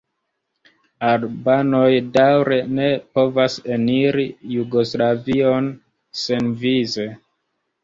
Albanoj daŭre ne povas eniri Jugoslavion senvize.